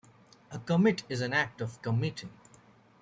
A "commit" is an act of committing.